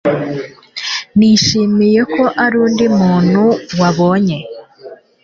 Nishimiye ko ari undi muntu wabonye